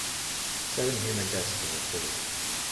Seven human deaths were reported.